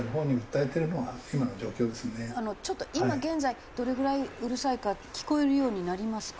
ちょっと今現在どれぐらいうるさいか聞こえるようになりますか？